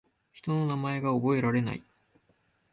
人の名前が覚えられない